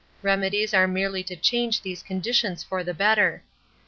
Remedies are merely to change these conditions for the better.